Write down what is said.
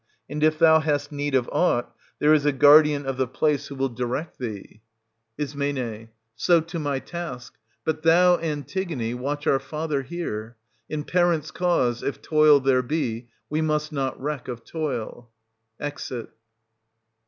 And if thou hast need of aught, there is a guardian of the place, who will direct thee. Is. So to my task :— but thou, Antigone, watch our father here. In parents' cause, if toil there be, we must not reck of toil. \Exit.